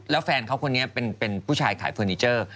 แล้วแฟนเขาคนนี้เป็นผู้ชายขายเฟอร์นิเจอร์